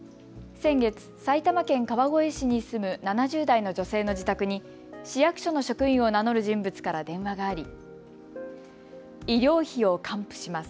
先月、埼玉県川越市に住む７０代の女性の自宅に市役所の職員を名乗る人物から電話があり医療費を還付します。